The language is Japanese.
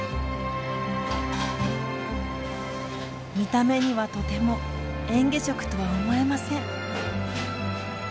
見た目にはとてもえん下食とは思えません。